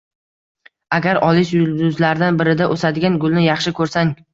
Agar olis yulduzlardan birida o‘sadigan gulni yaxshi ko‘rsang